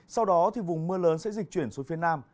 sau đó vùng mưa lớn sẽ dịch chuyển xuống phía nam